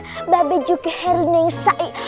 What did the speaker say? mbak bejuki hernia yang saik